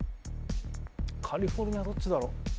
カリフォルニアどっちだろう。